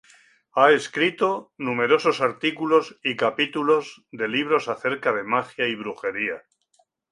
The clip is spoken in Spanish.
Ha escrito numerosos artículos y capítulos de libros acerca de magia y brujería.